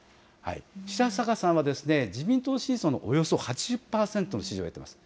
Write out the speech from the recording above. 白坂さんは自民党支持層のおよそ８０％の支持を得ています。